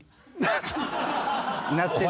なってて。